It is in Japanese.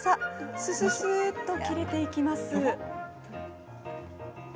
すすすっと切れていきます。